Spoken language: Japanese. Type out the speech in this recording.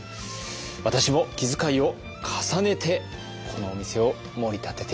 私も気遣いを重ねてこのお店をもり立てていこう！